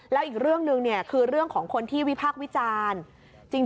แล้วอีกเรื่องหนึ่งคือเรื่องของคนที่วิพากษ์วิจารณ์